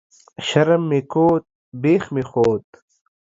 شرم مې کوت ، بيخ مې خوت